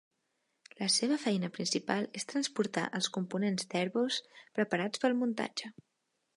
La seva feina principal és transportar els components d'Airbus preparats pel muntatge.